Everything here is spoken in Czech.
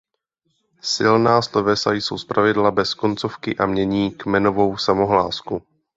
Silná slovesa jsou zpravidla bez koncovky a mění kmenovou samohlásku.